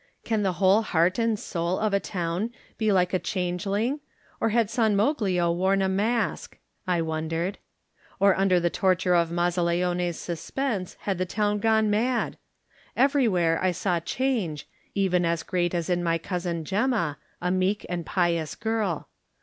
Can the whole heart and soul of a town be like a changeling, or had San Mo lio worn a mask? I wondered. Or under the torture of Mazzaleone's suspense had 18 Digitized by Google THE NINTH MAN the town gone mad? Everywhere I saw change, even as great as in my cousin Gemma, a meek and pious girl.